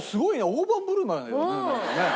大盤振る舞いだよねなんかね。